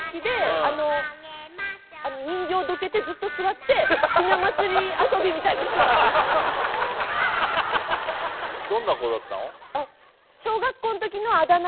あの人形どけてずっと座ってどんな子だったの？